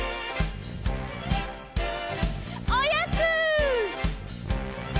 おやつ！